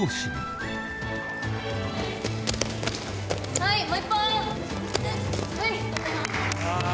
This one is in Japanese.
・はいもう１本！